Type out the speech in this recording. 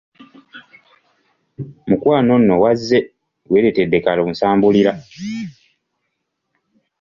Mukwano nno wezze, weereetedde kalusambulira.